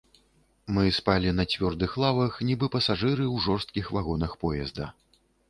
Мы спалі на цвёрдых лавах, нібы пасажыры ў жорсткіх вагонах поезда.